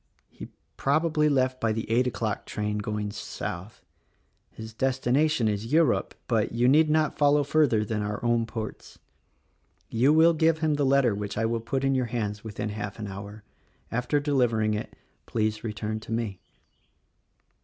He, probably left by the eight o'clock train going south. His destination is Europe, but you need not follow further than our own ports. You will give him the letter which I will put in your hands within half an hour. After deliver ing it, please return to me."